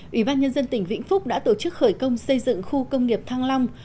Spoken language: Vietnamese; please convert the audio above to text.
ủy ban nhân dân tỉnh vĩnh phúc đã tổ chức khởi công xây dựng khu công nghiệp thăng long